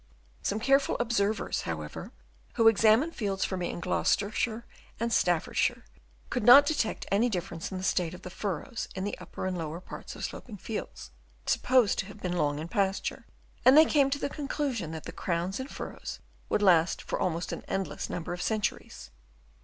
Some careful observers, however, who examined fields for me in Gloucestershire and Staffordshire, could not detect any dif ference in the state of the furrows in the upper and lower parts of sloping fields, sup posed to have been long in pasture ; and they came to the conclusion that the crowns and furrows would last for an almost endless number of centuries.